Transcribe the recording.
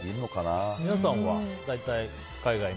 皆さんは大体海外に？